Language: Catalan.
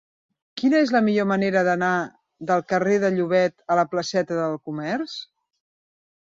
Quina és la millor manera d'anar del carrer de Llobet a la placeta del Comerç?